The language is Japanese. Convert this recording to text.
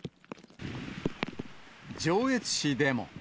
上越市でも。